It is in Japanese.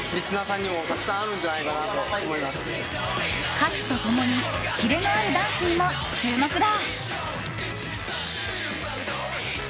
歌詞と共にキレのあるダンスにも注目だ。